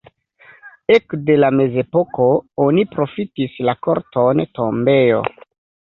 Ekde la mezepoko oni profitis la korton tombejo.